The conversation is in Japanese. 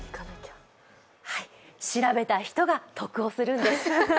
調べた人が得をするんです。